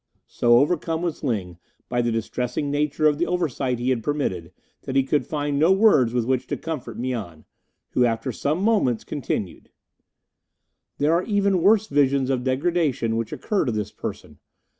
So overcome was Ling by the distressing nature of the oversight he had permitted that he could find no words with which to comfort Mian, who, after some moments, continued: "There are even worse visions of degradation which occur to this person.